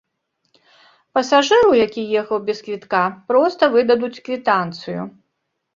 Пасажыру, які ехаў без квітка, проста выдадуць квітанцыю.